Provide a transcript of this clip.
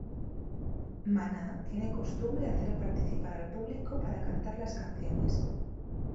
Maná tiene costumbre hacer participar al público para cantar las canciones.